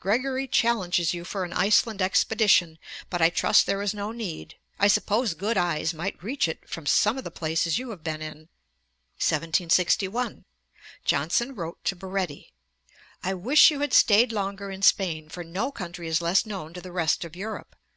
Gregory challenges you for an Iceland expedition; but I trust there is no need; I suppose good eyes might reach it from some of the places you have been in.' Piozzi Letters, i. 188. 1761. Johnson wrote to Baretti: 'I wish you had staid longer in Spain, for no country is less known to the rest of Europe.' Ante, i. 365.